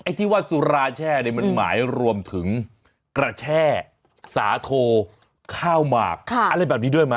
ที่ว่าสุราแช่เนี่ยมันหมายรวมถึงกระแช่สาโทข้าวหมากอะไรแบบนี้ด้วยไหม